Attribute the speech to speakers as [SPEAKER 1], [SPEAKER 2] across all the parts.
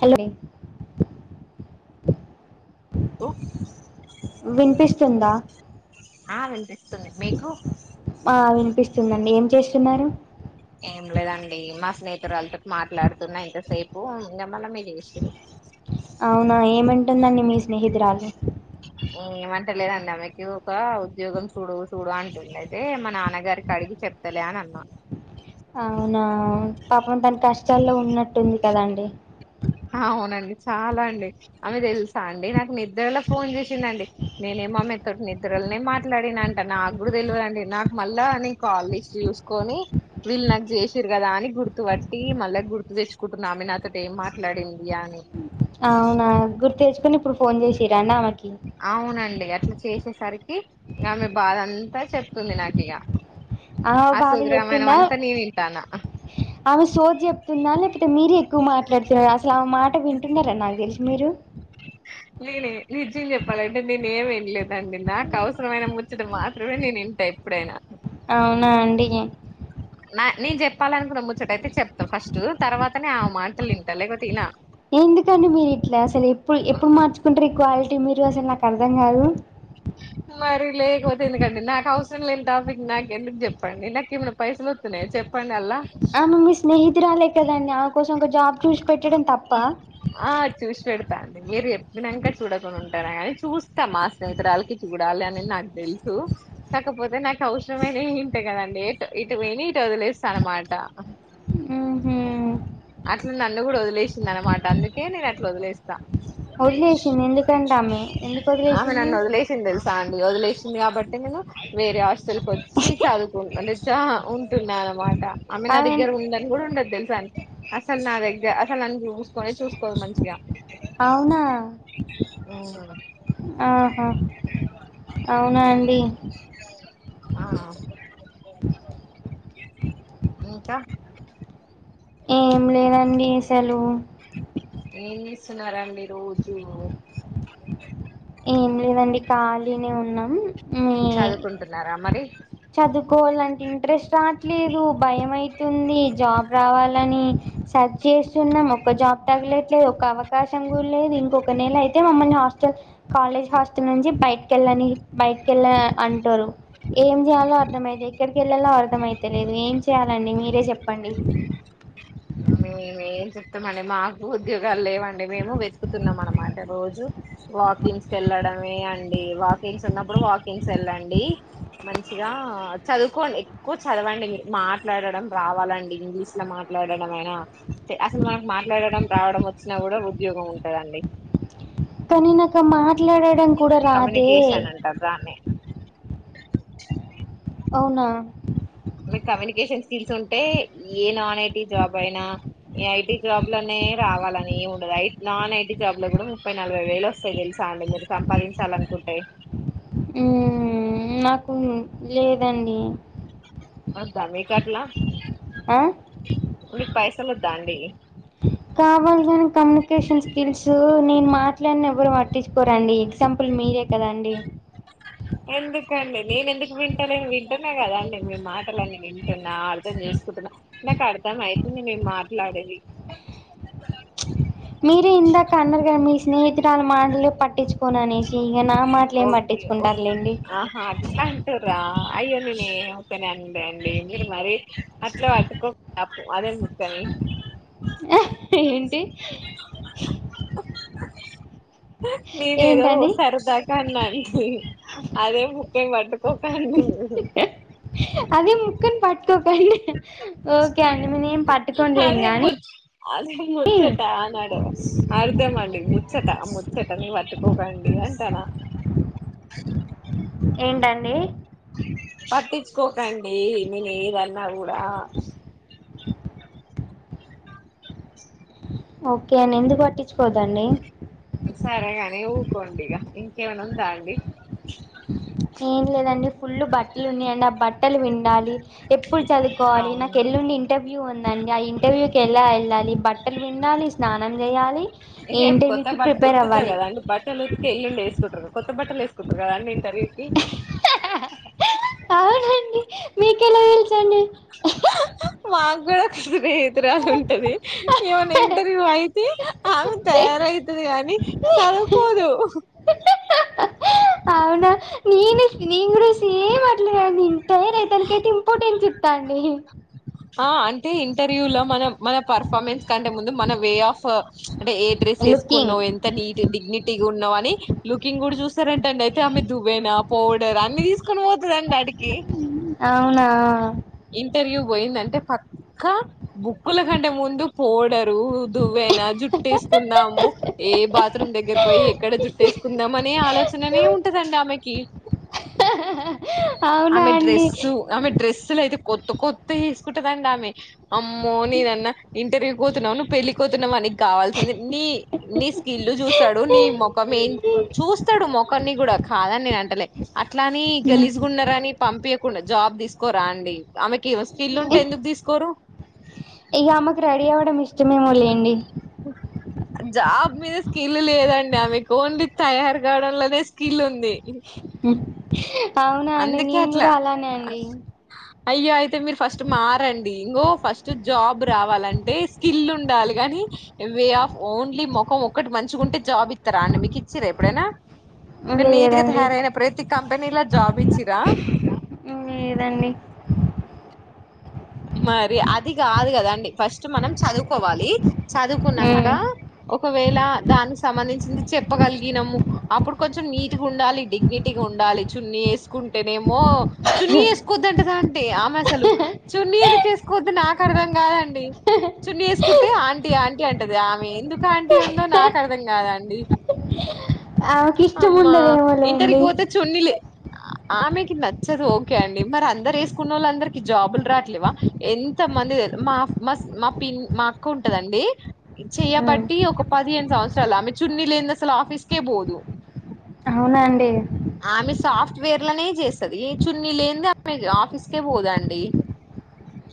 [SPEAKER 1] Hello వే.
[SPEAKER 2] కు
[SPEAKER 1] వినిపిస్తుందా.
[SPEAKER 2] ఆ వినిపిస్తుంది మీకు
[SPEAKER 1] ఆ వినిపిస్తుందండి ఏం చేస్తున్నారు.
[SPEAKER 2] ఏమ్లేదండ్ ఏమా మా స్నేహితురాలతో మాట్లాడుతున్నా ఎంతసేపు ఇంకా మళ్ళ మీ చేసిరు
[SPEAKER 1] అవునా ఏమంటుందండి మీ స్నేహితురాలు.
[SPEAKER 2] ఏమంటలేదండి ఆమెకి ఒక ఉద్యోగం చూడు చూడు అంటుంది అయితే మా నాన్నగారికి అడిగి చెప్. చెప్తాలే నా అన్నా
[SPEAKER 1] అవునా పాపం తన కష్టాల్లో ఉన్నట్టుంది కదండి.
[SPEAKER 2] అ అవునండి చాలా అండి ఆమె తెలుసా అండి నాకు నిద్రలో ఫోన్ చేసిందిండి నేనే ఏమామ్తోటి నిద్రలనే మాట్లాడినంట నాకు కూడా తెలవదండి నాకు మళ్ళా నీ కాల్ లిస్ట్ చూసుకో నీ వీళ్ళు నాకి చేసిరు కదా అని గుర్తుపట్టి మళ్ళా గుర్తు తెచ్చుకుంటున్న ఆమె నాతోటి ఏం మాట లడింది అని
[SPEAKER 1] అవునా గుర్తు తెచ్చుకుని ఇప్పుడు ఫోన్ చేసిరండి ఆమెకి
[SPEAKER 2] అవునండి అట్లా చేసేసరికి ఇగ ఆమె బాధ అంతా చెప్తుంది నాకిగ
[SPEAKER 1] ఆ బాధ చెప్పిందా
[SPEAKER 2] వింటాన్న
[SPEAKER 1] ఆమె సోది చెప్తుందా లేకపోతే మీరే ఎక్కువ మాట్లాడుతున్నారా అసలు ఆమె మా ట వింటున్నారా నాకు తెలిసి మీరు
[SPEAKER 2] [unintelligible] నేనే నిజ్యం చెప్పాలంటే నేను ఏమి వింలేదండి నాకు అవసరమైన ముచ్చట మాత్రమే నేనింటా ఎప్పుడైనా
[SPEAKER 1] అవునా అండి
[SPEAKER 2] నా నేను చెప్పాలనుకున్న ముచ్చోటైతే చెప్తా ఫస్ట్ తర్వాతనే ఆమె మాటలు ఇంటా లేకపోతే ఇనా
[SPEAKER 1] ఎందుకండి మీరు ఇట్లా అసలు ఎప్పుడు ఎప్పుడు మార్చుకుంటారు ఈ క్వాలి టి మీరు అసలు నాకు అర్థం కాదు
[SPEAKER 2] [unintelligible] మరి లేకపోతే ఎందుకండి నాకు అవసరం లేని టాపిక్ నాకు ఎందుకు చెప్పండి నాకు ఎమనా పైసలు వత్తున్నాయా చెప్ప ప్పండి అల్లా
[SPEAKER 1] ఆమె మీ స్నేహితురాలే కదండి ఆమె కోసం ఒక జాబ్ చూసి పెట్టడం తప్ప
[SPEAKER 2] స్తాండి మీరు చేప్పినాంక చూడకుండా ఉంటారా కాని చూస్తా మా స్నేహితురాలకి చూడాలి అని నాకు తెలు సు కాకపోతే నాకు అవసరమైనయే ఇంట కదండి ఇటువిని ఇటు వదిలేస్తా అనమాట
[SPEAKER 1] ఉహు
[SPEAKER 2] అట్లా నన్ను కూడా వదిలేసింది అనమాట అందుకే నేను అట్లా వదిలేస్తా
[SPEAKER 1] వదిలేసింది ఎందుకంటే ఆమె ఎందుకు
[SPEAKER 2] ఆమె
[SPEAKER 1] వదిలేసింది
[SPEAKER 2] నన్ను వదిలేసింది తెలుసా అండి వదిలే సింది కాబట్టే నేను వేరే హాస్టల్ కి వచ్చి చదువుకు అంటేచా ఉంటున్నా అనమాట ఆమె నా దగ్గర ఉందని కూడా ఉండదు తెలుసా అండి అసలు నా దగ్గర అసలు నన్ను చు చూసుకోనే చూసుకోదు మంచిగా
[SPEAKER 1] అవునా ఆహా అవునా అండి
[SPEAKER 2] ఆ ఇంకా
[SPEAKER 1] ఏం లేదండి సెలువు
[SPEAKER 2] ఏం చేస్తున్నారాండి ఈరోజు
[SPEAKER 1] ఏం లేదండి ఖాళీనే ఉన్నాం మీ
[SPEAKER 2] చదువుకుంటున్నారా మరి
[SPEAKER 1] చదువుకోవాలంటే ఇంట్రెస్ట్ రావట్లేదు భయం అయితుంది జాబ్ రావాలని స చేస్తున్నాం ఒక జాబ్ తగలట్లే ఒక అవకాశం లేదు ఇంకోక నెల అయితే మమ్మల్ని హాస్టల్ కాలేజ్ హాస్టల్ నుంచి బయటెళ్ళని బయటకి ఎళ్ళ అంటారు ఏం చేయాలో అర్థమైతే ఎక్కడికి ఎళ్ళలో అర్థమయితాలేదు ఏం చెయాలండి మీరే చెప్పండి
[SPEAKER 2] మేమేం చెప్తామండి మాకు ఉద్యోగాలు లేవండి మేము వెతుకుతున్నాం అనమాట రోజు వాకిన్స్కి ఎళ్ళడమే అండి వాకిన్స్ ఉన్నప్పుడు వాకిన్స్ ఎళ్ళండి మంచిగా చదువుకోండి ఎక్కువ చదవండి మిరు మాట్లాడడం రావాలండి ఇంగ్లీష్లో మాట్లా డమైన అసలు మనకు మాట్లాడడం రావడం వచ్చినా కూడా ఉద్యోగం ఉంటదండి
[SPEAKER 1] కానీ నాక ఆ మాట్లాడడం కూడా రాదే
[SPEAKER 2] కమ్యూనికేషన్ అంటారు దాన్నే
[SPEAKER 1] అవునా
[SPEAKER 2] మీకు కమ్యూనికేషన్ స్కిల్స్ ఉంటే ఏ నాన్ ఐటీ జాబ్ అయినా ఐటీ జాబ్లోనే రావాలని ఏం ఉండదు ఐ నాన్ ఐటీ జాబ్లో కూడా ముప్పై నలభై వేలు వస్తాయి తెలుసాండి మీరు సంపాదించాలనుకుంటే
[SPEAKER 1] ఉమ్మ్ నాకు లేదండి
[SPEAKER 2] అయిందా మీ కట్లా
[SPEAKER 1] ఆ
[SPEAKER 2] ఉ పైసలోదండి
[SPEAKER 1] సూ నేను మాట్లాడిన ఎవరు పట్టించుకోరండి ఎగ్జాంపుల్ మీరే కదా అండి
[SPEAKER 2] ఎందుకండి నేను ఎందుకు వింటాలే వింటున్నా కదండి మీ మాటలన్నీ వింటున్నా అర్థం చేస్త సున్నాం నాకు అర్థం అయితుంది మీరు మాట్లాడేది
[SPEAKER 1] మీరే ఇందాక అన్నరు కదా మీ స్నేహితురాళ మాటలు పట్టించుకోని అనేసి ఇక నా మాటలు ఏం
[SPEAKER 2] ఒకే ఒకే
[SPEAKER 1] పట్టించుకుంటారులేండి
[SPEAKER 2] ఆహ అ అంట్లా అంటూర్రా అయ్యో కనే అడి అండి మీరు మర అట్లా పట్టుకో త అదేం ముతని
[SPEAKER 1] ఏంటి
[SPEAKER 2] నేను ఏదో
[SPEAKER 1] ఏంటండి
[SPEAKER 2] సరదాకా అన్నా అండి అదే ముక్క పట్టుకోకండి ఉహ
[SPEAKER 1] అదే ముక్కన్ పట్టుకోకండి ఓకే అ
[SPEAKER 2] అదే ము అదే ముచ్చట ఆనాడు అర్ధ మలి ముచ్చ ట ముచ్చటని వట్టుకోకండి అంటానా
[SPEAKER 1] ఏంటండి
[SPEAKER 2] పట్టించుకోకండి నేను ఏదన్నా కూడా
[SPEAKER 1] ఓకే అ ఎందు పటి
[SPEAKER 2] సరేగాని ఊకోండి ఇక ఇంకేమనా ఉందా అండి
[SPEAKER 1] ఏం లేదండి ఫుల్ బట్టలు ఉన్నాయండి ఆ బట్ట బట్టలు విండాలి ఎప్పుడు చదువుకోవాలి నాకు
[SPEAKER 2] అవును
[SPEAKER 1] ఎల్లుండి ఇంటర్వ్యూ ఉందండి ఆ ఇంటర్వ్యూ క ఎలా వెళ్ళాలి బట్టలు విండాలి స్నానం చేయాలి
[SPEAKER 2] ఇ
[SPEAKER 1] ఈ
[SPEAKER 2] కొత్త
[SPEAKER 1] ఇంటర్వ్యూకి
[SPEAKER 2] బట్ట
[SPEAKER 1] ప్రిపేర్
[SPEAKER 2] ఉత్కుతా
[SPEAKER 1] అవ్వాలి
[SPEAKER 2] కదాండి బట్టలు ఉత్కే ఇల్ండి వేస్సుకుట్రారు కొత్త బట్టలుేస్త కదండీ ఇంటర్వ్యూకి
[SPEAKER 1] మీకేల తెల్సు
[SPEAKER 2] మాకుడా కది స్నేహితురాలు ఉంటది ఏమనా ఇంటర్వ్యూ అయితే ఆమె తయారవుతుది కాగాని సదుకోదు
[SPEAKER 1] అవునా నను నింగ్ సేమ్ అట్లేనే నింతారై తనకైతే ఇంపార్టెన్స్ ఇట్టా అండి
[SPEAKER 2] ఆ అంటే ఇంటర్వ్యూ లో మన మన పర్ఫార్మెన్స్ కంటే ముందు మన వే ఆఫ్ అంటే ఏ డ్రెస్
[SPEAKER 1] లుకింగ్
[SPEAKER 2] వేసుకున్నావు ఎంత నీట్ డిగ్నిటీగా ఉన్నావ్ అని లుకింగ్ కూడా చూస్తారంటండి అయితే ఆమె వెనా పౌడర్ అన్ని తీసుకొని పోతుందిండి అ
[SPEAKER 1] అవునా
[SPEAKER 2] ఇగ పోయిందంటే పక్కా బుక్కుల కంటే ముందు పోడరు దువ్వనా జుట్ చుట్టేసుకుందాము ఏ బాత్రూమ్ దగ్గరకు పోయి ఎక్కడ జుట్టేసుకుందాం అనే ఆలోచననే ఉంటదండి మేకి ఆ
[SPEAKER 1] అవునా అండి
[SPEAKER 2] డ్రెస్ డ్రెసులైతే కొత్త కొత్త ఏసుకుంటదండి ఆమె అమ్మో నేనన్న ఇంటర్వ్యూ కోతున్నావు నువ్వు పెళ్ళి కోతున్నావు అని కావాల్సింది నీ నీ స్కిల్ చూస్తాడు నీ మొఖం ఎన్ చూస్తాడు మొఖాన్ని కూడా కాదనీ నేను అంటలే అట్లాని గలిజు ఉన్నారని పంపయకుండా జాబ్ తీసుకోరా అండి ఆమెకి స్కిల్ ఉంటే ఎందుకు తీసుకోరు
[SPEAKER 1] డం ఇష్టమేమో లెండి
[SPEAKER 2] జాబ్ మీద స్కిల్ లేదండి ఆమెకు ఓన్లీ తయారు కావడంలోనే స్కిల్ ఉంది
[SPEAKER 1] అవునా అండి
[SPEAKER 2] అందుకే
[SPEAKER 1] నేను
[SPEAKER 2] అట్లా
[SPEAKER 1] కూడా అలానే అండి
[SPEAKER 2] అయ్యో అయితే మీరు ఫస్ట్ మారండి ఇగో ఫస్ట్ జాబ్ రావాలంటే స్కిల్ ఉండాలి కానీ వే ఆఫ్ ఓన్లీ ముఖం ఒక్కటి మంచిగా ఉంటే జాబ్ ఇస్తారా అండి మీకు ఇచ్చారా ఎప్పుడైనా మరి నీట్ గా
[SPEAKER 1] లేదండి
[SPEAKER 2] తయారన ప్రతి కంపెనీలో జాబ్ ఇచ్చిరా
[SPEAKER 1] లేదండి
[SPEAKER 2] మరి అది కాదు కదండి ఫస్ట్ మనం చదువుకోవాలి చదువుకున్నంక
[SPEAKER 1] ఉమ్.
[SPEAKER 2] ఒకవేళ దానికి సంబంధించింది చెప్పగలిగినము అప్పుడు కొంచెం నీట్గా ఉండాలి డిగ్నిటీగా ఉం డాలి చున్నీ వేసుకుంటేనేమో చున్నీ వేసుకోద్దంటదా అంటే ఆమె అసలు చున్నీ ఎందుకు వేసుకోద్ద్దు నాకు ఆది అర్ధం కాదండి చూన్ని వేసుకుంటే ఆంటీ ఆంటీ అంటది ఆమె ఎందుకు ఆంటీ ఉందో నాకు అర్థం కాదు అండి
[SPEAKER 1] ఆమెకు ఇష్టం ఉండదేమో
[SPEAKER 2] ఇంటర్కి
[SPEAKER 1] లేండి
[SPEAKER 2] పోతే చున్నీలే ఆమెకి నచ్చదు ఓకే అండి మరి అందరు వేసుకున్న వాళ్ళు అందరికి జాబులు రావట్లేవా ఎంత మంది మా మా మా పిన్ని మా అక్క ఉంటదండి
[SPEAKER 1] ఉమ్.
[SPEAKER 2] చెయబట్టి ఒక పదిహేను సంవత్సరాలు ఆమె చున్నీ లేనిదే అసలు ఆఫీస్కే పోదు
[SPEAKER 1] అవునాండి
[SPEAKER 2] ఆమె సాఫ్ట్వేర్ లనే చేస్తది చున్ని లేనిదే ఆమె అసలు ఆఫీస్కే పోదాండి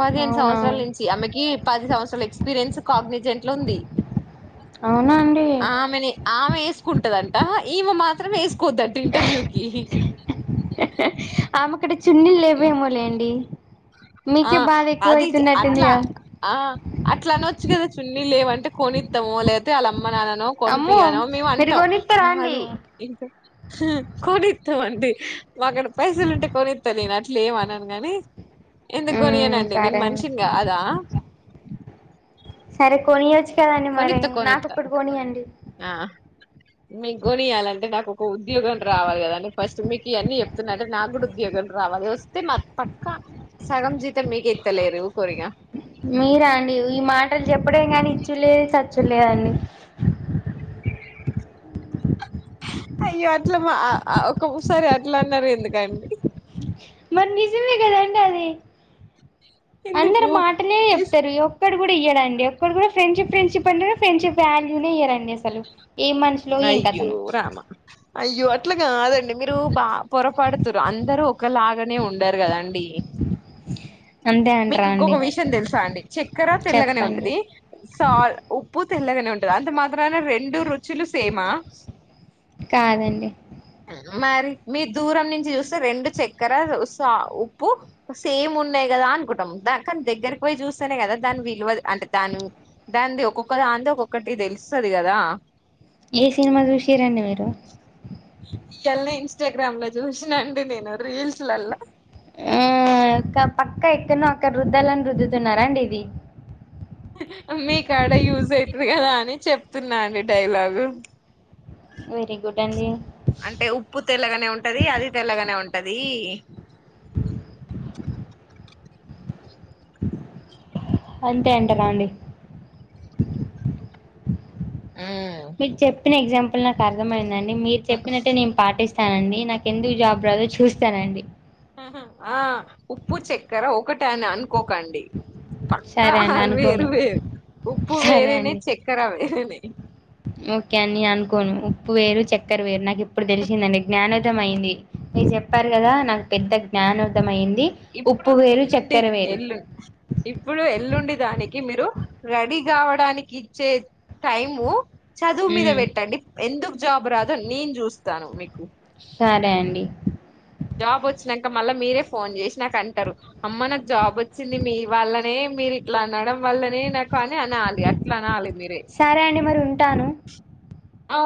[SPEAKER 2] పదిహేను
[SPEAKER 1] అవునా
[SPEAKER 2] సంవత్సరాల నుంచి ఆమెకి పది సంవత్సరాల ఎక్స్పీరియన్స్ కాగ్నిజెంట్ లో ఉంది
[SPEAKER 1] అవునా అండి
[SPEAKER 2] ఆమె ఆమె వేసుకుంటదంట ఈమె మాత్రం వేసుకోవద్దంట ఇంటర్వ్యూ కి
[SPEAKER 1] ఆమెక్కడ చున్నీలు లేవేమో లేండి
[SPEAKER 2] ఆ
[SPEAKER 1] మీకే బాధ ఎక్కువ
[SPEAKER 2] అది అట్లా
[SPEAKER 1] అయితున్నట్టుందిగా
[SPEAKER 2] ఆ అట్లా అనో చ్చు గా చున్నీలు లేవంటే కొనిద్దాము లేకాపోతే అల్ల అమ్మ మననో
[SPEAKER 1] అమ్మో
[SPEAKER 2] కొనీపియ్యానో మేము
[SPEAKER 1] మీరు
[SPEAKER 2] అంటాం
[SPEAKER 1] కొనిత్తరా అండి
[SPEAKER 2] కాదు ఇంకా కొనిస్తామండి. మా అక్కడ పైసలు ఉంటే కొనిస్తా నేను అట్లే ఏమన్నాను గాని ఎందుకు
[SPEAKER 1] ఉమ్
[SPEAKER 2] కోనియనండి నేను
[SPEAKER 1] సరే అండి
[SPEAKER 2] మనిషినీ కాదా
[SPEAKER 1] సరే కొనియచ్చు కదండి. మరి
[SPEAKER 2] కొనిత్తా
[SPEAKER 1] నాకు
[SPEAKER 2] కొనిత్తా
[SPEAKER 1] ఒక్కటి కొనీయండి
[SPEAKER 2] ఆ మీకు కొనియాలంటే నాకు ఒక ఉద్యోగం రావాలి కదాండి. ఫస్ట్ మీకు ఇవన్నీ చెప్తున్నంటే నాకు కూడా ఉద్యోగం రావాలి వస్తే మా పక్క సగం జీతం మీకిత్తలే ఇగ ఉకోరిగా
[SPEAKER 1] మీరా అండి ఈ మాటలు చెప్పడే కానీ ఇచ్చులేదు చచ్చుడులేదండి
[SPEAKER 2] అయ్యో అట్ల మా ఒకసారి అట్లా అన్నారు ఎందుకండి
[SPEAKER 1] మరి నిజమే కదండి అది
[SPEAKER 2] ఎందుకు
[SPEAKER 1] అందరు మాటలే చెప్తారు ఒక్కడు కూడా ఇయ్యడండి ఒక్కడు కూడా ఫ్రేండ్షిప్ ఫ్రేండ్షిప్ అంటడు ఫ్రెండ్షిప్ వాల్యూనే ఇయ్య డండి అసలు ఏం మనుషులో ఏం
[SPEAKER 2] అయ్యో
[SPEAKER 1] కథనో
[SPEAKER 2] రామా అయ్యో అట్లా కాదండి మీరు బు పొరపాడుతుంరు అందరు ఒకలాగనే ఉండరు కదండి
[SPEAKER 1] అంతే
[SPEAKER 2] మీకు
[SPEAKER 1] అంటరా
[SPEAKER 2] ఇంకొక
[SPEAKER 1] అండి
[SPEAKER 2] విషయం తెలుసా అండి చక్కెర తెల్లగానే
[SPEAKER 1] చెప్పండి
[SPEAKER 2] ఉంటది సాల్ ఉప్పు తెల్లగానే ఉంటాది. అంత మాత్రన రెండు రుచులు సేమా
[SPEAKER 1] కాదండి
[SPEAKER 2] మరి మీ దూరం నుంచి చూస్తే రెండు చక్కెర ఉప్పు సేమ్ ఉన్నాయి కదా అనుకుంటం దా కానీ దగ్గరకి పోయి చూస్తేనే కదా దాని విలువ అంటే దా దాని ఒక్కొక్క ధంది ఒక్కొక్క ఒక్కటి తెలుస్తది కదా
[SPEAKER 1] ఏ సినిమా చూసిర్రు రండి మీరు
[SPEAKER 2] ఇయలనే ఇన్స్టాగ్రామ్ ల చూసినండి నేను రీల్స్లలా
[SPEAKER 1] హ్ పక్క ఎక్కడనో అక్కడ రుద్దాలని రుద్దుతున్నారా అండి ఇది
[SPEAKER 2] మీ కాడ యూజ్ అయితది కదా అని చెప్తున్నాండి డైలాగు
[SPEAKER 1] వెరీ గుడ్ అండి
[SPEAKER 2] అంటే ఉప్పు తెల్లగానే ఉంటది అది తెల్లగానే ఉంటది
[SPEAKER 1] అంతే అంటరా అండి
[SPEAKER 2] మ్మ్
[SPEAKER 1] మీకు చెప్పిన ఎగ్జాంపుల్ నాకు అర్థమైందండి మీరు చెప్పినట్టే నేను పాటిస్ స్తానండి నాకు ఎందుకు జాబ్ రాదో చూస్తానండి
[SPEAKER 2] ఆ ఉప్పు చక్కెర ఒకటి అని అనుకోకండి పక్కా
[SPEAKER 1] సరే అండి
[SPEAKER 2] వేరు
[SPEAKER 1] అనుకోను
[SPEAKER 2] వేరు ఉప్పు
[SPEAKER 1] సరే
[SPEAKER 2] వేరేనే
[SPEAKER 1] అండి
[SPEAKER 2] చక్కెర వేరేనే
[SPEAKER 1] ఓకే అని అనుకోను ఉప్పు వేరు చక్కర వేరు నాకు ఇప్పుడు తెలిసిందండి జ్ఞానోదం అయింది నను చెప్ ప్పారు కదా నాకు పెద్ద జ్ఞానోదంఅంది
[SPEAKER 2] ఇప్పుడు ఎల్లుండేది ఎల్లు ఇప్పుడు ఎల్లుండేది దానికి మీరు రెడీ కావడానికి ఇచ్చే టైము చదువు మీద
[SPEAKER 1] ఉమ్
[SPEAKER 2] పెట్టండి ఎందుకు జాబ్ రాదు నేను చూస్తాను మీకు
[SPEAKER 1] సరే అండి
[SPEAKER 2] జాబ్ వచ్చినాక మళ్ళా మీరే ఫోన్ చేసి నాకు అంటరు అమ్మ నాకు జాబ్ వచ్చింది మీ వాళ్ళనే మీరు ఇట్లా అనడం వల్లనే నాకనీ అనాలి అట్లా అనాలి మీరే
[SPEAKER 1] సరే అండి మరి ఉంటాను
[SPEAKER 2] ఆ